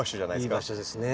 いい場所ですね。